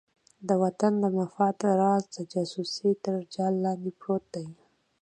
د وطن د مفاد راز د جاسوسۍ تر جال لاندې پروت دی.